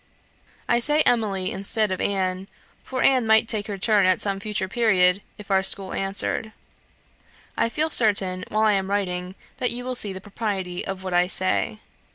I say Emily instead of Anne; for Anne might take her turn at some future period, if our school answered. I feel certain, while I am writing, that you will see the propriety of what I say.